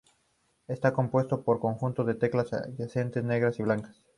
Está compuesto por un conjunto de teclas adyacentes, negras y blancas.